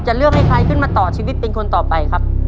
เลือกให้ใครขึ้นมาต่อชีวิตเป็นคนต่อไปครับ